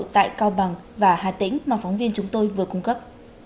tại cao bằng và hà tĩnh mà phóng viên chúng tôi vừa cung cấp